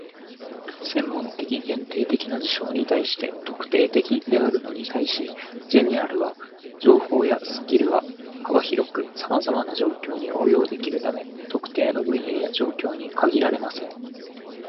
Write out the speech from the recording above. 専門的、限定的な事象に対して「特定的」であるのに対し、"general" な情報やスキルは幅広くさまざまな状況に応用できるため、特定の分野や状況に限られません。